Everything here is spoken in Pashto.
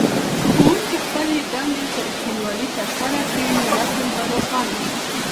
که ښوونکي خپلې دندې په رښتینولۍ ترسره کړي نو نسل به روښانه شي.